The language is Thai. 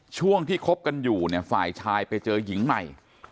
ช่วงที่คบกันอยู่เนี่ยฝ่ายชายไปเจอหญิงใหม่